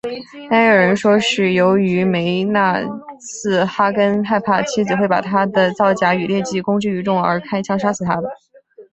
但也有人说是由于梅纳茨哈根害怕妻子会把他的造假与劣迹公之于众而开枪杀死她的。